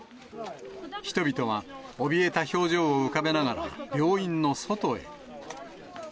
人々はおびえた表情を浮かべながら、病院の外へ。